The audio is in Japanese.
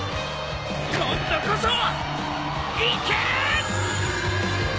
今度こそいける！